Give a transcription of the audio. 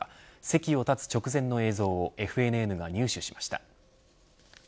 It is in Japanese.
席を立つ直前の映像をＦＮＮが入手しました。